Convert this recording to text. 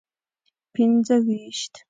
پنځه ویشت.